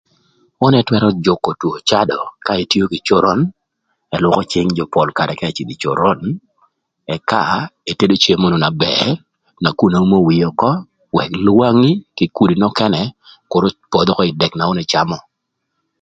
Onu ëtwërö jükö two cadö ka etio kï coron, ëlwökö cïng jö pol karë ka ëcïdhö ï coron, ëka etedo cem onu na bër, nakun eumo wie ökö, wëk lwangi kï kudi nökënë kür opodh ökö ï dëk na onu ëcamö.